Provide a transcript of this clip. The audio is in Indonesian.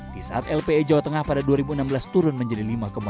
di saat lpe jawa tengah pada dua ribu enam belas turun menjadi lima enam